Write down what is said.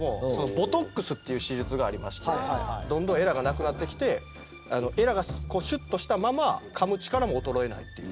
ボトックスっていう施術がありましてどんどんエラがなくなってきてエラがこうシュッとしたままかむ力も衰えないっていう。